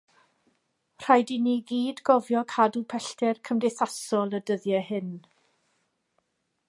Rhaid i ni gyd gofio cadw pellter cymdeithasol y dyddiau hyn.